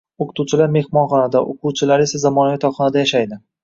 O‘qituvchilari mehmonxonada, o‘quvchilari esa zamonaviy yotoqxonada yashaydi